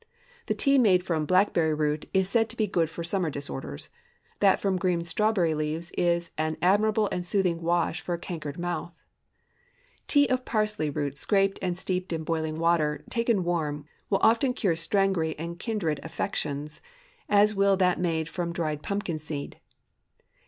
The tea made from blackberry root is said to be good for summer disorders. That from green strawberry leaves is an admirable and soothing wash for a cankered mouth. Tea of parsley root scraped and steeped in boiling water, taken warm, will often cure strangury and kindred affections, as will that made from dried pumpkin seed.